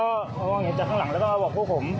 แล้วมั้งเข้ามาพูดข้างหลังแล้วก็บอกคู่ผม